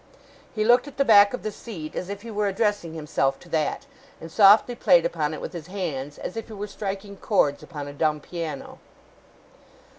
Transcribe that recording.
He looked at the back of the seat, as if he were addressing himself to that; and softly played upon it with his hands, as if he were striking chords upon a dumb piano.